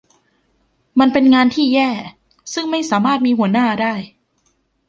มันเป็นงานที่แย่ ซึ่งไม่สามารถมีหัวหน้าได้